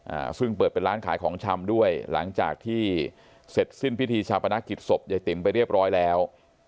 อ่าซึ่งเปิดเป็นร้านขายของชำด้วยหลังจากที่เสร็จสิ้นพิธีชาปนกิจศพยายติ๋มไปเรียบร้อยแล้ว